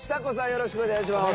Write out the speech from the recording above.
よろしくお願いします。